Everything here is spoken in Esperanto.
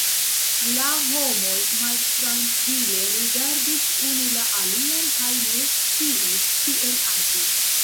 La homoj maltrankvile rigardis unu la alian kaj ne sciis kiel agi.